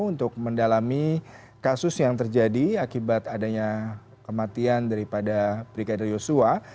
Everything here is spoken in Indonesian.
untuk mendalami kasus yang terjadi akibat adanya kematian daripada brigadir yosua